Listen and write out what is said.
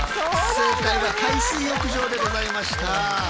正解は海水浴場でございました。